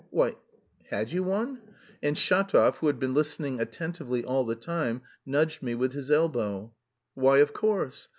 "Why, had you one?" And Shatov, who had been listening attentively all the time, nudged me with his elbow. "Why, of course.